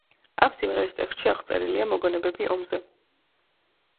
ამ სიმღერის ტექსტში აღწერილია მოგონებები ომზე.